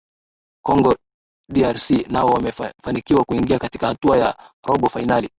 congo drc nao wamefanikiwa kuingia katika hatua ya robo fainali